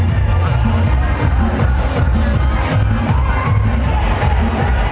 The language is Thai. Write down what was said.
น่าจะบอกว่าไม่ตามใจ